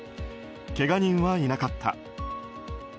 けが人はいなかった。